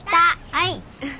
はい。